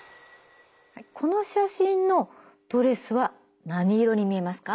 この写真のドレスは何色に見えますか？